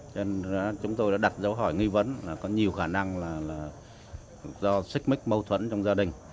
cho nên chúng tôi đã đặt dấu hỏi nghi vấn là có nhiều khả năng là do xích mích mâu thuẫn trong gia đình